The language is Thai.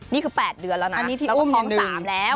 นี่คือ๘เดือนแล้วนะแล้วก็ท้อง๓แล้วอันนี้ที่อุ้มอย่างหนึ่ง